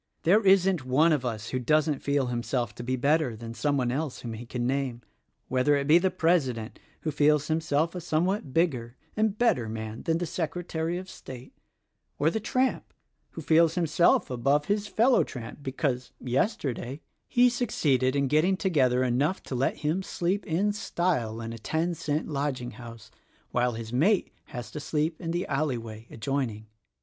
There isn't one of us who doesn't feel him self to be better than some one else whom he can name — whether it be the President, who feels himself a somewhat bigger and better man than the Secretary of State, or the tramp who feels himself above his fellow tramp because, 42 THE RECORDING ANGEL yesterday, he succeeded in getting together enough to let him sleep in style in a ten cent lodging house, — while his mate has to sleep in the alley way adjoining.